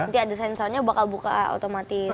nanti ada sensornya bakal buka otomatis